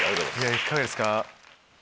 いかがですか？